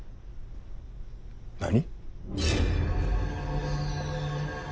何！？